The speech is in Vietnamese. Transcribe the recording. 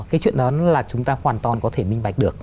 cái chuyện đó là chúng ta hoàn toàn có thể minh bạch được